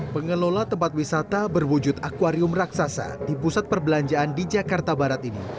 pengelola tempat wisata berwujud akwarium raksasa di pusat perbelanjaan di jakarta barat ini